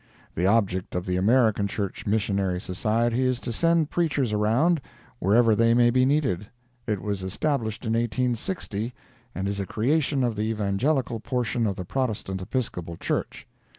The object of the American Church Missionary Society is to send preachers around, wherever they may be needed. It was established in 1860, and is a creation of the Evangelical portion of the Protestant Episcopal Church.